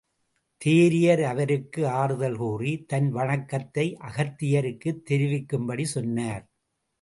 தேரையர் அவருக்கு ஆறுதல் கூறி, தன் வணக்கத்தை அகத்தியருக்கு தெரிவிக்கும்படி சொன்னார்.